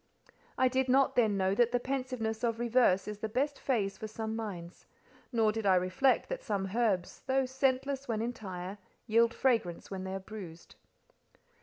I did not then know that the pensiveness of reverse is the best phase for some minds; nor did I reflect that some herbs, "though scentless when entire, yield fragrance when they're bruised."